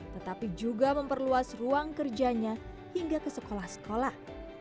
tetapi juga memperluas ruang kerjanya hingga ke sekolah sekolah